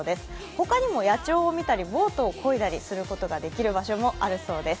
他にも野鳥を見たり、ボートをこいだりできる場所もあるみたいです